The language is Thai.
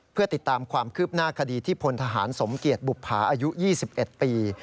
เพื่อติดตามความคืบหน้าคดีที่พลทหารสมเกียจบุภาอายุ๒๑ปี